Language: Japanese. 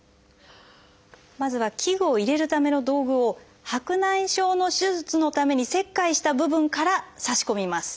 まずは器具を入れるための道具を白内障の手術のために切開した部分からさし込みます。